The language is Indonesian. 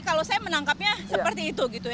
kalau saya menangkapnya seperti itu